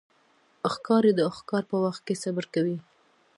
ښکاري د ښکار په وخت کې صبر کوي.